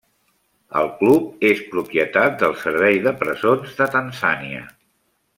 El club és propietat del Servei de Presons de Tanzània.